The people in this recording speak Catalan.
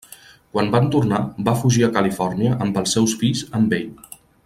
Quan van tornar, va fugir a Califòrnia amb els seus fills amb ell.